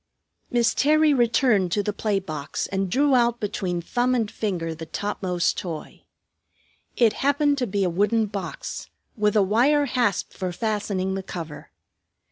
Miss Terry returned to the play box and drew out between thumb and finger the topmost toy. It happened to be a wooden box, with a wire hasp for fastening the cover.